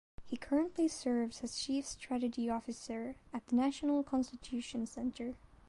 He currently serves as Chief Strategy Officer at the National Constitution Center.